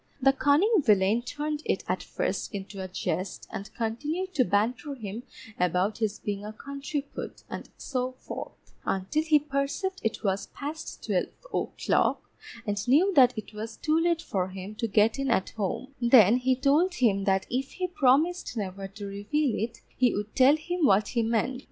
The cunning villain turned it at first into a jest and continued to banter him about his being a country put, and so forth, until he perceived it was past twelve o'clock, and knew that it was too late for him to get in at home; then he told him that if he promised never to reveal it, he would tell him what he meant.